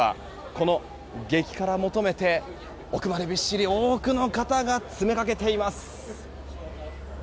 この激辛を求めて奥までびっしり多くの方が詰めかけています。